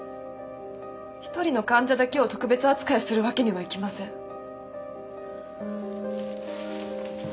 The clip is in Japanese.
一人の患者だけを特別扱いするわけにはいきません。